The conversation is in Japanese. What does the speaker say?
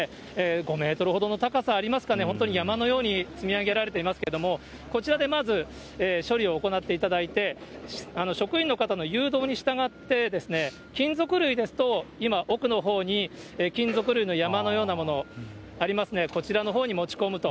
５メートルほどの高さありますかね、本当に山のように積み上げられていますけれども、こちらでまず処理を行っていただいて、職員の方の誘導に従って、金属類ですと、今、奥のほうに、金属類の山のようなものありますね、こちらのほうに持ち込むと。